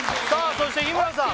そして日村さん